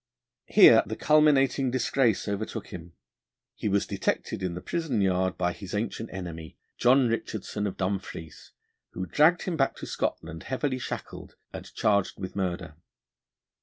Here the culminating disgrace overtook him: he was detected in the prison yard by his ancient enemy, John Richardson, of Dumfries, who dragged him back to Scotland heavily shackled and charged with murder.